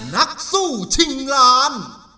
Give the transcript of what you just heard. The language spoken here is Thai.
นักสู้ชิงล้าน